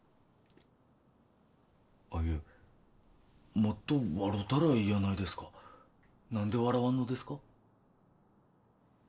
あッいえもっと笑うたらいいやないですか何で笑わんのですか？